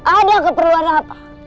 ada keperluan apa